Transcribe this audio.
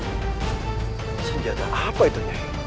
senjata apa itu nyai